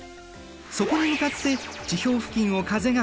そこに向かって地表付近を風が吹く。